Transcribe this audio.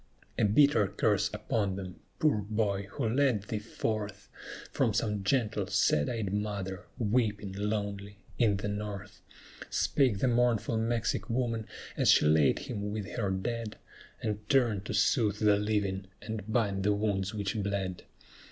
"A bitter curse upon them, poor boy, who led thee forth, From some gentle, sad eyed mother, weeping, lonely, in the North!" Spake the mournful Mexic woman, as she laid him with her dead, And turned to soothe the living, and bind the wounds which bled.